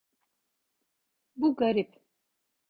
Bu garip.